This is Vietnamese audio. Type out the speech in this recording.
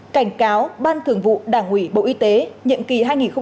cảnh cáo ban thường vụ đảng ủy bộ y tế nhiệm kỳ hai nghìn một mươi năm hai nghìn hai mươi